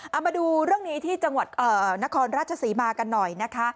เอามาดูเรื่องนี้ที่จังหวัดนครราชศรีมากันหน่อยนะคะ